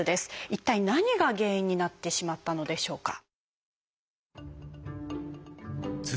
一体何が原因になってしまったのでしょうか？